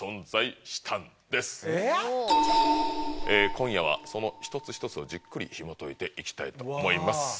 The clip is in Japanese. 今夜はその一つ一つをじっくりひもといていきたいと思います。